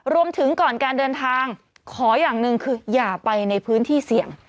รวมถึงก่อนการเดินทางขออย่างหนึ่งคืออย่าไปในพื้นที่เสี่ยง